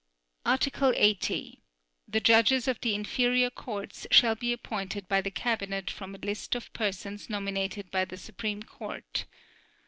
Article 80. The judges of the inferior courts shall be appointed by the Cabinet from a list of persons nominated by the Supreme Court.